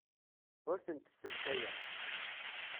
Ur tent-ssentayeɣ.